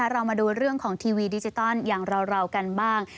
เรามาดูเรื่องของทีวีดิจิตอลอย่างเรากันบ้าง